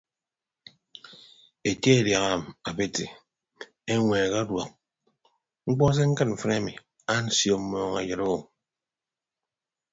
Ete adiaha mm abeti eñweek ọduọk mkpọ se ñkịd mfịn ami ansio mmọọñeyịdo.